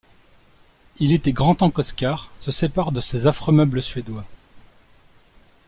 il était grand temps qu'Oscar se sépare de ses affreux meubles suédois.